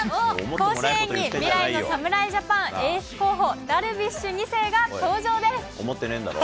甲子園に未来の侍ジャパン、エース候補、ダルビッシュ２世が思ってねぇんだろ？